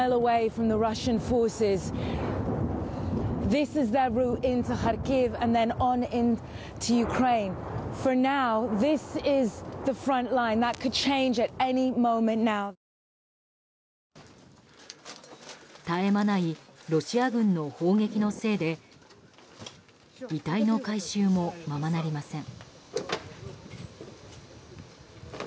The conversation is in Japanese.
絶え間ないロシア軍の砲撃のせいで遺体の回収も、ままなりません。